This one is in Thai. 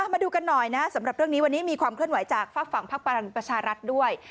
มาดูกันหน่อยนะสำหรับเรื่องนี้วันนี้มีความเคลื่อนไหวจากฝากฝั่งพักพลังประชารัฐด้วย